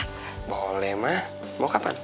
thinking about urban' ya kuman mas productive cake ya